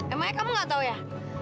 emangnya kamu gak tau ya